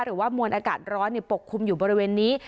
หรือว่ามวลอากาศร้อนปกคลุมอยู่บริเวณนี้